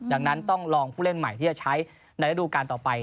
ดังนั้นต้องลองผู้เล่นใหม่ที่จะใช้ในระดูการต่อไป